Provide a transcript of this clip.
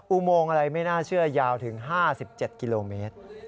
อุโมงอะไรไม่น่าเชื่อยาวถึง๕๗กิโลเมตร